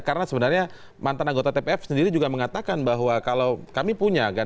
karena sebenarnya mantan anggota tpf sendiri juga mengatakan bahwa kalau kami punya